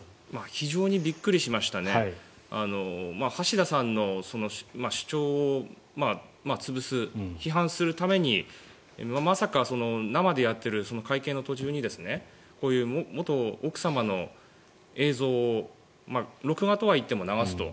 非常にびっくりしましたね橋田さんの主張を潰す批判するためにまさか生でやってる会見の途中にこういう元奥様の映像を録画とはいっても流すと。